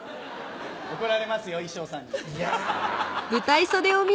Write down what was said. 怒られますよ衣装さんに。